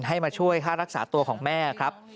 ให้มาช่วยค่ารักษาตัวของแม่ครับ